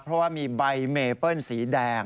เพราะว่ามีใบไม้เปลี่ยนสีแดง